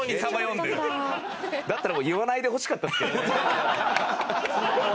だったら言わないでほしかったですけどね。